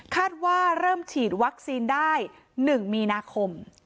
คาดว่าเริ่มฉีดวัคซีนได้๑มีนาคม